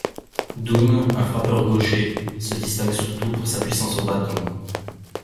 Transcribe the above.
Dunn, un frappeur gaucher, se distingue surtout pour sa puissance au bâton.